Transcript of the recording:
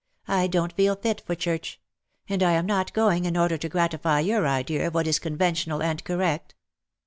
I don^t feel fit for church; and I am not going in order to gratify your idea of what is con ventional and correct."